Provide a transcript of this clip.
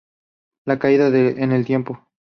La caída en el tiempo.